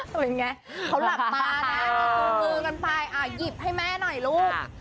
ทำไงเขาหลับบาอยู่กันไปอ่ะหยิบให้แม่หน่อยลูกครับ